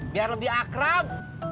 biar lebih akrab